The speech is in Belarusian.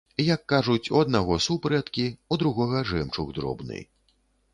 Як кажуць, у аднаго суп рэдкі, у другога жэмчуг дробны.